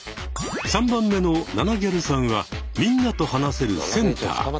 ３番目のナナぎゃるさんはみんなと話せるセンター。